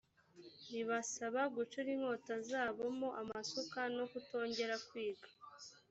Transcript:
ribasaba gucura inkota zabo mo amasuka no kutongera kwiga